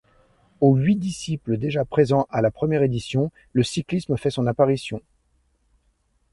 Aux huit disciples déjà présentes à la première édition, le cyclisme fait son apparition.